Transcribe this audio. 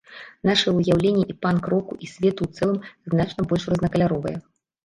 Нашае ўяўленне і панк-року, і свету ў цэлым, значна больш рознакаляровае.